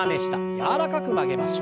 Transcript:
柔らかく曲げましょう。